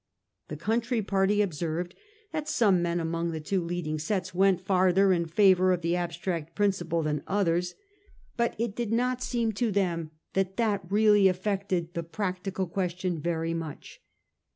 The country party observed that some men among the two leading sets went farther in favour of the abstract principle than others ; but it did not seem 3841 6 . PEEL AND HIS PARTY. 357 to them that that really affected the practical ques tion very much.